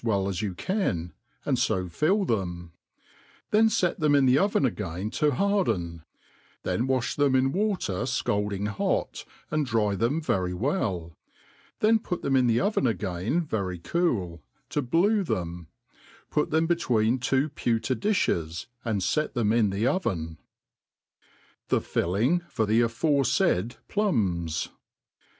well as ybti can, and fo fill them ; then fee them in the even again to harden; then wafh them in water fcaldiiig hot, and dry them very well ; then put them^in the oven a^in very cool, t6 blu« them ; put them between two pewter difiies, and fee them in the oven. The Filling for the afcrefaid Plums.